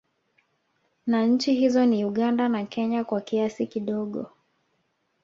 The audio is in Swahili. Na Nchi hizo ni Uganda na Kenya kwa kiasi kidogo